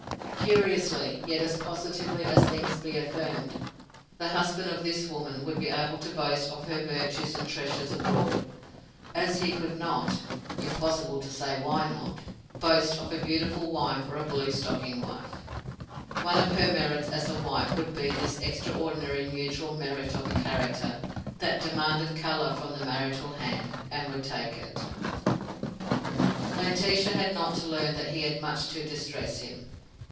Curiously, yet as positively as things can be affirmed, the husband of this woman would be able to boast of her virtues and treasures abroad, as he could not impossible to say why not boast of a beautiful wife or a blue stocking wife. One of her merits as a wife would be this extraordinary neutral merit of a character that demanded colour from the marital hand, and would take it. Laetitia had not to learn that he had much to distress him.